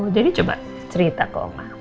jadi coba cerita ke oma